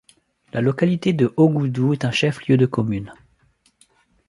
La localité de Ogoudou est un chef-lieu de commune.